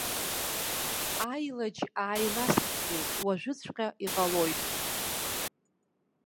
Аилаџь ааиласыгӡеит, уажәыҵәҟьа иҟалоит.